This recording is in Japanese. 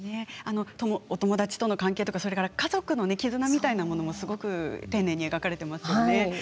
お友達との関係や家族の絆みたいなものも丁寧に描かれていますね。